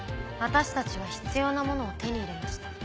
私たちは必要なものを手に入れました。